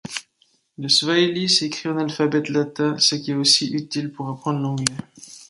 Le Swahili s'écrit en alphabet Latin, ce qui est aussi utile pour apprendre l'Anglais.